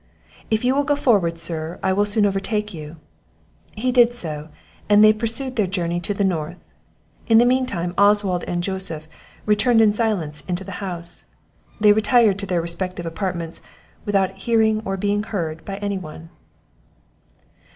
"If you will go forward, sir, I will soon overtake you." He did so; and they pursued their journey to the north. In the mean time, Oswald and Joseph returned in silence into the house; they retired to their respective apartments without hearing or being heard by any one.